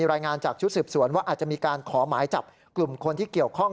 รายงานจากชุดสืบสวนคือการขอหมายความจับคนที่เกี่ยวข้อง